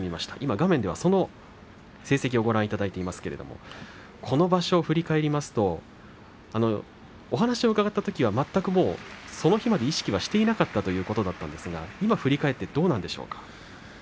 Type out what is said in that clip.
画面では、その成績をご覧いただいていますけれどもこの場所を振り返りますとお話を伺ったときは全くその日まで意識はしていなかったということですが、今振り返ってどうなんでしょうか。